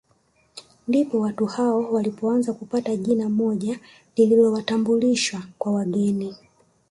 Ndipo watu hao walipoanza kupata jina moja lililowatambulisha kwa wageni